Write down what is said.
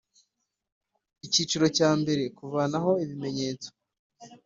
Icyiciro cya mbere Kuvanaho ibimenyetso